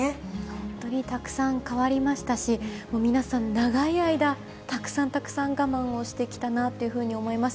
本当にたくさん変わりましたし、皆さん、長い間たくさんたくさん我慢をしてきたなというふうに思います。